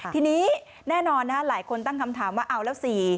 ทีนี้แน่นอนหลายคนตั้งคำถามว่าเอาแล้ว๔